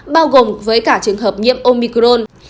bao gồm với cả trường hợp nhiễm omicron